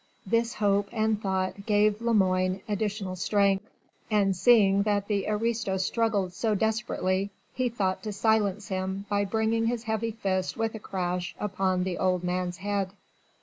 This hope and thought gave Lemoine additional strength, and seeing that the aristo struggled so desperately, he thought to silence him by bringing his heavy fist with a crash upon the old man's head.